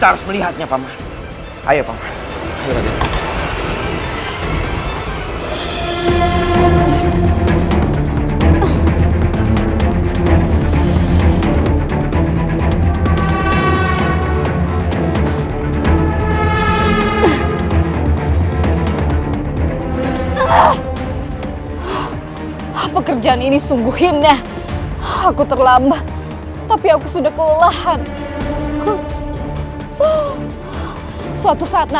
raka kian santan